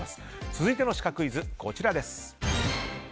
続いてのシカクイズです。